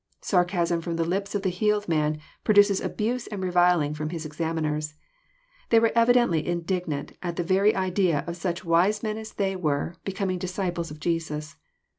Sarcasm Arom the lips of the healed man produces abuse and reviling from, his examiners. They \^ere evidently indignant at the very idea of such wise men as they were, becoming disciples of Jesus.